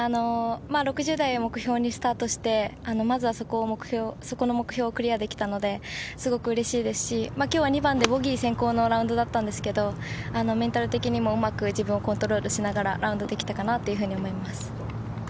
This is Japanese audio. ６０台を目標にスタートしてまずはそこの目標をクリアできたので、すごくうれしいですし今日は２番、ボギー先行のラウンドだったんですけどメンタル的にもうまく自分をコントロールしながら、ラウンドできたかなと思います。